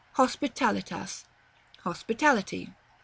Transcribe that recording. Hospitalitas. Hospitality.